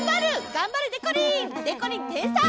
がんばれでこりん！でこりんてんさい！